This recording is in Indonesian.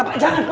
pak jangan pak